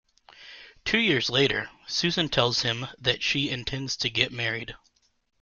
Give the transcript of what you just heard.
Two years later, Susan tells him that she intends to get married.